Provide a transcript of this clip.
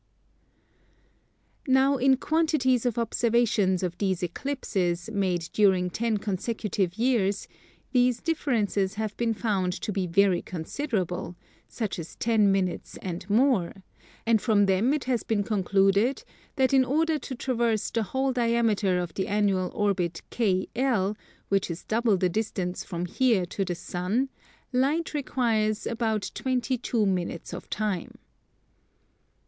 Now in quantities of observations of these Eclipses, made during ten consecutive years, these differences have been found to be very considerable, such as ten minutes and more; and from them it has been concluded that in order to traverse the whole diameter of the annual orbit KL, which is double the distance from here to the sun, Light requires about 22 minutes of time.